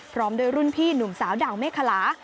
พร้อมด้วยรุ่นพี่หนุ่มสาวดาวเมฆคลา